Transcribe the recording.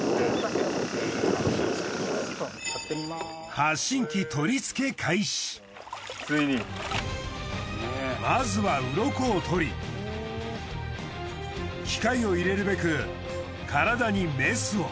発信器まずはウロコを取り機械を入れるべく体にメスを。